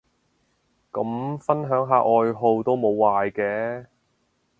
咁分享下愛好都無壞嘅